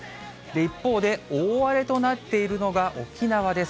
一方で、大荒れとなっているのが沖縄です。